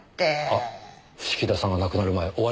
あっ伏木田さんが亡くなる前お会いになった？